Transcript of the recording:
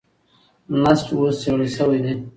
نسج اوس څېړل شوی دی.